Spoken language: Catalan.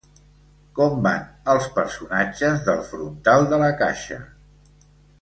Com van els personatges del frontal de la caixa?